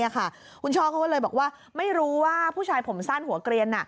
คุณช่อเขาก็เลยบอกว่าไม่รู้ว่าผู้ชายผมสั้นหัวเกลียน